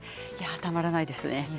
たまらないですね。